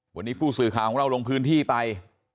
วันนี้ผู้สื่อข่าวของเราลงพื้นที่ไป